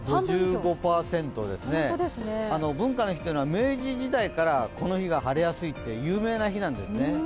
５５％ですね、文化の日というのは明治時代からこの日は晴れやすいと有名な日なんですね。